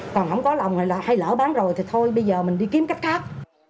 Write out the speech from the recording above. còn không có lòng hay lỡ bán rồi thì thôi bây giờ mình đi kiếm cách khác